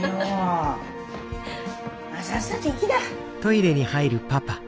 さっさと行きな！